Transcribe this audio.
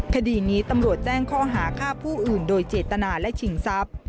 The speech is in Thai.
คดีนี้ตำรวจแจ้งข้อหาฆ่าผู้อื่นโดยเจตนาและชิงทรัพย์